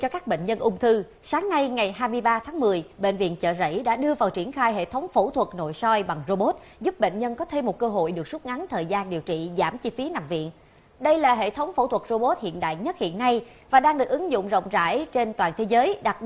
các bạn hãy đăng kí cho kênh lalaschool để không bỏ lỡ những video hấp dẫn